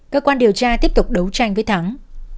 cơ quan điều tra tiếp tục đấu tranh với thắng